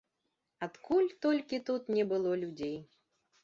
Адкуль толькі тут не было людзей!